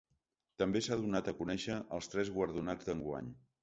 També s’han donat a conèixer els tres guardonats d’enguany.